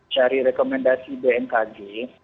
dari rekomendasi bmkg